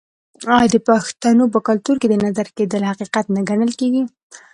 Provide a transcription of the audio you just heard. آیا د پښتنو په کلتور کې د نظر کیدل حقیقت نه ګڼل کیږي؟